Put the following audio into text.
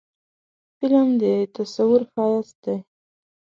فلم د تصور ښایست دی